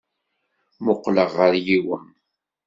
Mmuqqleɣ ɣer yiwen.